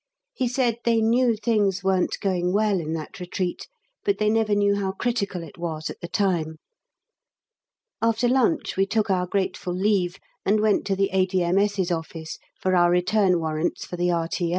He said they knew things weren't going well in that retreat, but they never knew how critical it was at the time. After lunch, we took our grateful leave and went to the A.D.M.S.'s office for our return warrants for the R.T.O.